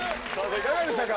いかがでしたか？